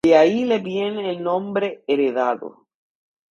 De ahí le viene el nombre heredado.